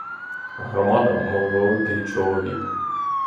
Громада, мов, великий чоловік.